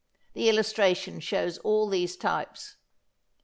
The illustration shows all these types.